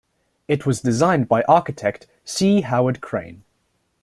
It was designed by architect C. Howard Crane.